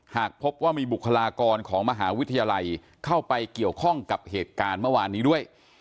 หากพบว่ามีบุคลากรของมหาวิทยาลัยเข้าไปเกี่ยวข้องกับเหตุการณ์เมื่อวานนี้ด้วย